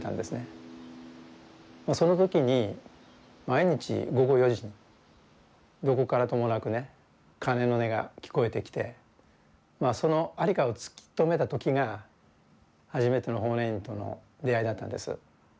その時に毎日午後４時にどこからともなくね鐘の音が聞こえてきてその在りかを突き止めた時が初めての法然院との出会いだったんです。